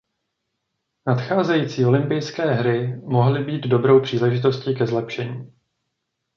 Nadcházející olympijské hry mohly být dobrou příležitostí ke zlepšení.